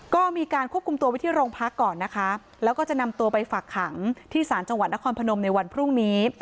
ก็มีการควบคุมตัวไว้ที่โรงพักก่อนนะคะแล้วก็จะนำตัวไปฝากขังที่ศาลจังหวัดนครพนมในวันพรุ่งนี้